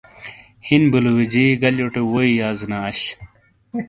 ہیِن بُلوویجی گلیوٹے ووئیے یازینا اش۔